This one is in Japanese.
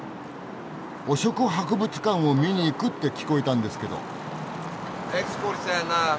汚職博物館を見に行くって聞こえたんですけど。